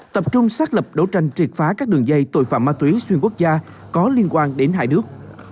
tập trung xác lập đấu tranh triệt phá các đường dây tội phạm ma túy xuyên quốc gia có liên quan đến hai nước